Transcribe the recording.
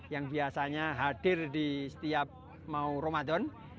yang biasanya hadir di setiap mau ramadan